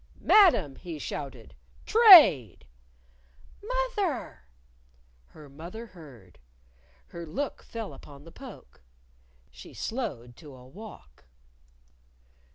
"Madam!" he shouted. "Trade!" "Moth er!" Her mother heard. Her look fell upon the poke. She slowed to a walk.